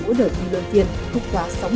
người dùng đơn tiền thuốc và sống